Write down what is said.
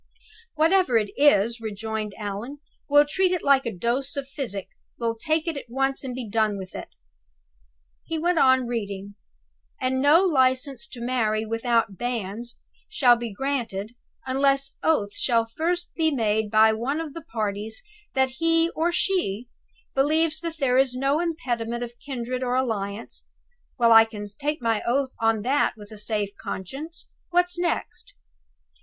"Whatever it is," rejoined Allan, "we'll treat it like a dose of physic we'll take it at once, and be done with it." He went on reading: "'And no license to marry without banns shall be granted, unless oath shall be first made by one of the parties that he or she believes that there is no impediment of kindred or alliance' well, I can take my oath of that with a safe conscience! What next?